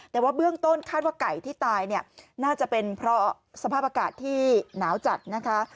แต่ว่าเบื้องต้นคาดว่าไก่ที่ตายเนี่ยน่าจะเป็นเพราะสภาพอากาศที่หนาวจัดนะคะ